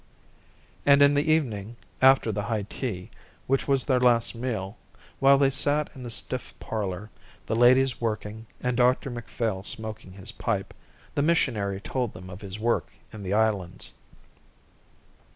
And in the evening after the high tea which was their last meal, while they sat in the stiff parlour, the ladies working and Dr Macphail smoking his pipe, the missionary told them of his work in the islands.